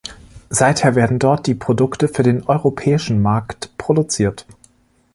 Seither werden dort die Produkte für den europäischen Markt produziert.